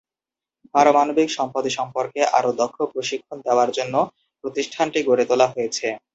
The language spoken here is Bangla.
পারমাণবিক সম্পদ সম্পর্কে আরো দক্ষ প্রশিক্ষণ দেওয়ার জন্য প্রতিষ্ঠানটি গড়ে তোলা হয়েছে।